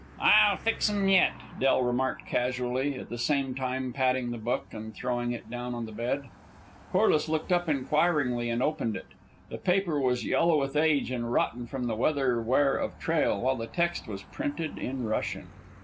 "I'll fix 'm yet," Del remarked casually, at the same time patting the book and throwing it down on the bed. Corliss looked up inquiringly and opened it. The paper was yellow with age and rotten from the weather wear of trail, while the text was printed in Russian.